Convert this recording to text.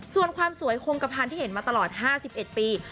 ส่วนความสวยคงกระพันธ์ที่เห็นมาตลอด๕๑ปี